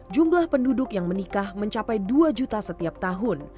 jumlah penduduk yang menikah mencapai dua juta setiap tahun